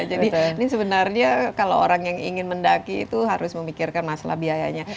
jadi ini sebenarnya kalau orang yang ingin mendaki itu harus memikirkan masalah biayanya